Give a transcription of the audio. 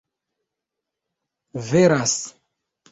veras